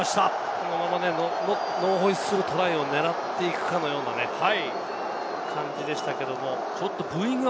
このままノーホイッスルトライを狙っていくかのような感じでしたけれども。